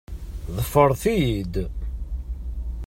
Ḍefret-iyi-d!